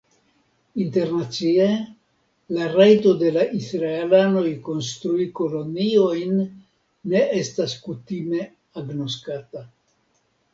Internacie, la rajto de la Israelanoj konstrui koloniojn ne estas kutime agnoskata.